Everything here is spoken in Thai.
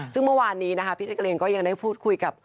ซึ่งเมื่อวานนี้นะคะพี่แจ๊กรีนก็ยังได้พูดคุยกับ